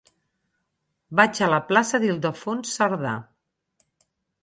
Vaig a la plaça d'Ildefons Cerdà.